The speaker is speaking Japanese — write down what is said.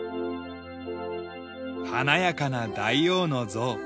華やかな大王の像。